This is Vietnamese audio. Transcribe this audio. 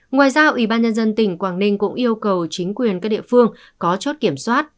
ngoài ra ubnd tỉnh quảng ninh cũng yêu cầu chính quyền các địa phương có chốt kiểm soát